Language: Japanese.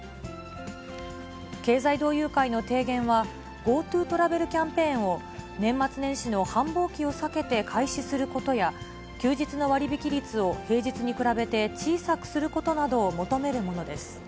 経済同友会の提言は、ＧｏＴｏトラベルキャンペーンを、年末年始の繁忙期を避けて開始することや、休日の割引率を平日に比べて小さくすることなどを求めるものです。